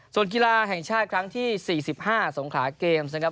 ส่วนกีฬาแห่งชาติครั้งที่๔๕สงขาเกมส์นะครับ